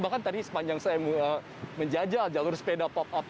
bahkan tadi sepanjang saya menjajal jalur sepeda pop up